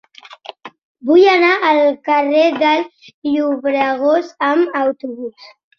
Vull anar al carrer del Llobregós amb autobús.